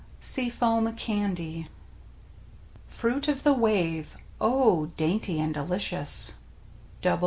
^" (4 SEA FOAM CANDY Fruit of the wave! Oh! dainty and delicious.